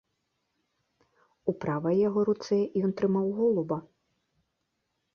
У правай яго руцэ ён трымаў голуба.